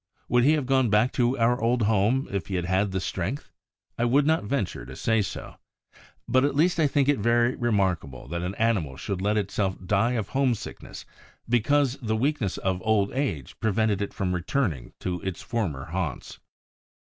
Would he have gone back to our old home, if he had had the strength? I would not venture to say so. But, at least, I think it very remarkable that an animal should let itself die of homesickness because the weakness of old age prevented it from returning to its former haunts.